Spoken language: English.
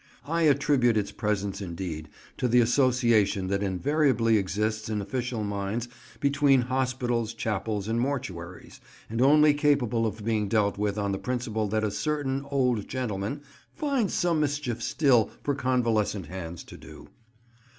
I attribute its presence indeed to the association that invariably exists in official minds between hospitals, chapels, and mortuaries, and only capable of being dealt with on the principle that a certain old gentleman "finds some mischief still for convalescent hands to do."